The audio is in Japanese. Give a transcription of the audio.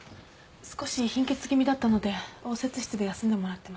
少し貧血気味だったので応接室で休んでもらってます。